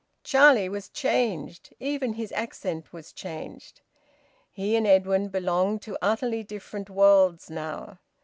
Charlie was changed; even his accent was changed. He and Edwin belonged to utterly different worlds now.